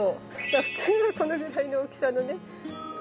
普通はこのぐらいの大きさのね植木鉢が。